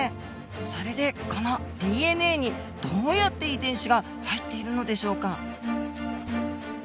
それでこのＤＮＡにどうやって遺伝子が入っているのでしょうか？